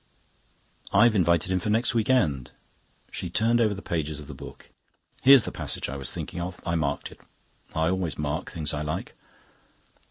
"I've invited him for next week end." She turned over the pages of the book. "Here's the passage I was thinking of. I marked it. I always mark the things I like."